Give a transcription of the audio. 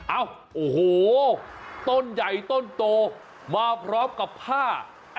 เอ้าโอ้โหต้นใหญ่ต้นโตมาพร้อมกับผ้า